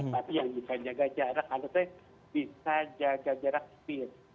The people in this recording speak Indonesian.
tapi yang bisa jaga jarak harusnya bisa jaga jarak setir